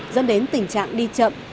dẫn đến tình trạng đi chậm